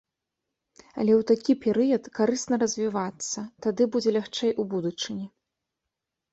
Але ў такі перыяд карысна развівацца, тады будзе лягчэй у будучыні.